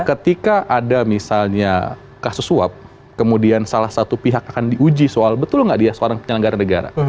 ketika ada misalnya kasus suap kemudian salah satu pihak akan diuji soal betul nggak dia seorang penyelenggara negara